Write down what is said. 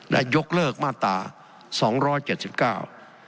และยกเลิกมาตราสองร้อยเจ็ดสิบเก้า